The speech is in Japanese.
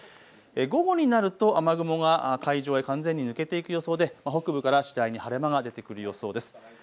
午後になると雨雲は海上へ完全に抜けていく予想で北部から次第に晴れ間が出てくる予想です。